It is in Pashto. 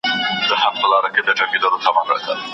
دوی له پخوا د څيړني پر ښکلا کار کاوه.